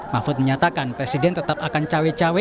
mahfud menyatakan presiden tetap akan cawe cawe